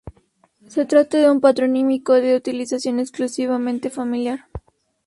Se trata de un patronímico de utilización exclusivamente familiar.